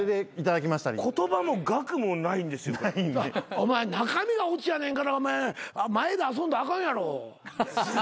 お前中身がオチやねんから前で遊んだらあかんやろ。